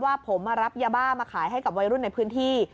ว่าผมมารับยาบ้ามาขายให้กับวัยรุ่นในพื้นที่